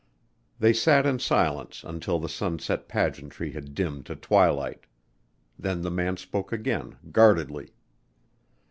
They sat in silence until the sunset pageantry had dimmed to twilight. Then the man spoke again, guardedly.